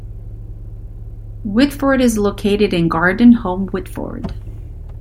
Whitford is located in Garden Home-Whitford.